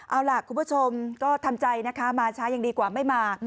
เอาล่ะคุณผู้ชมก็ทำใจนะคะมาช้ายังดีกว่าไม่มา